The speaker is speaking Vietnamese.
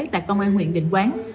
tại công an huyện định quán